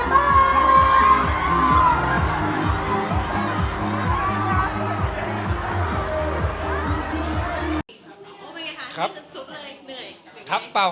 ขอบคุณมากสวัสดีครับ